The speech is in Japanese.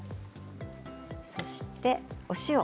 そしてお塩。